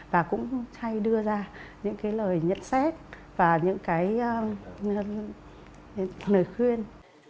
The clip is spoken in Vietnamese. và cũng hay đưa ra những cái lời nhận xét và những cái lời khuyên